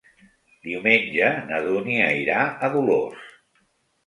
Diumenge na Dúnia irà a Dolors.